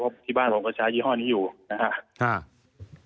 เพราะที่บ้านผมก็ใช้ยี่ห้อนี้อยู่นะครับ